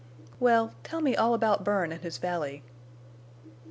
"Well—tell me all about Bern and his valley."